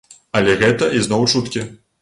Але гэта ізноў чуткі.